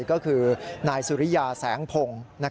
ก็คือนายสุริยาแสงพงศ์